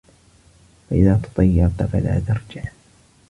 فَإِذَا تَطَيَّرْت فَلَا تَرْجِعْ